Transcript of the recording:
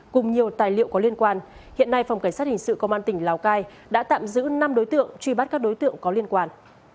cùng nhiều tài liệu có liên quan hiện nay phòng cảnh sát hình sự công an tỉnh lào cai đã tạm giữ năm đối tượng truy bắt các đối tượng có liên quan